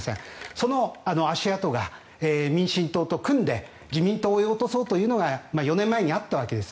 その足跡が民進党と組んで自民党を追い落とそうというのが４年前にあったわけです。